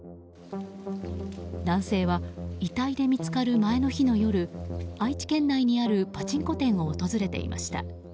男性は遺体で見つかる前の日の夜愛知県内にあるパチンコ店を訪れていました。